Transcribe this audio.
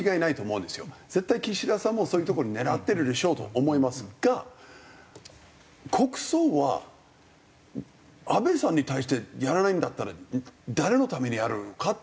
絶対岸田さんもそういうところ狙ってるでしょうと思いますが国葬は安倍さんに対してやらないんだったら誰のためにやるかとは思います。